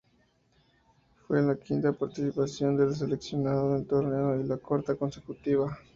Fue la quinta participación del seleccionado en el torneo y la cuarta consecutiva.